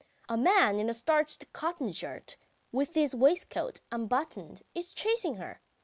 A man in a starched cotton shirt, with his waistcoat unbuttoned, is chasing her.